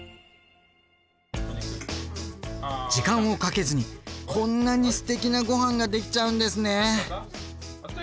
時間をかけずにこんなにすてきなごはんができちゃうんですね！